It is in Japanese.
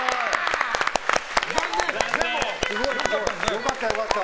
良かった、良かった。